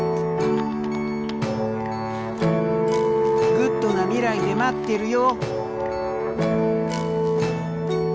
Ｇｏｏｄな未来で待ってるよ。